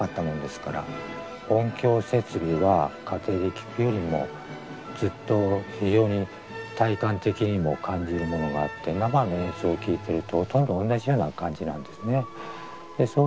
音響設備は家庭で聴くよりもずっと非常に体感的にも感じるものがあって生の演奏を聴いてるとほとんど同じような感じなんですね。